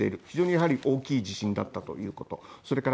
非常に大きい地震だったということ。